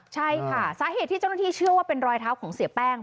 ใช่ค่ะสาเหตุที่เจ้าหน้าที่เชื่อว่าเป็นรอยเท้าของเสียแป้ง